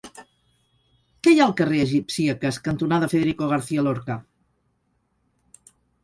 Què hi ha al carrer Egipcíaques cantonada Federico García Lorca?